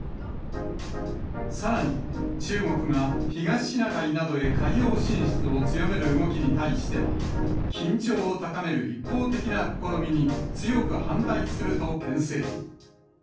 さらに、中国が東シナ海などへ海洋進出を強める動きに対しては、緊張を高める一方的な試みに強く反対するとけん制。